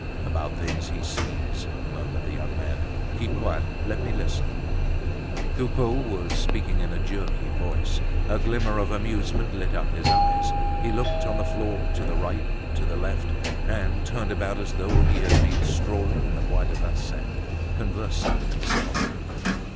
"About things he sees," murmured the young man. "Keep quiet, let me listen." Coupeau was speaking in a jerky voice. A glimmer of amusement lit up his eyes. He looked on the floor, to the right, to the left, and turned about as though he had been strolling in the Bois de Vincennes, conversing with himself.